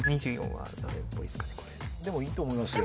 これでもいいと思いますよ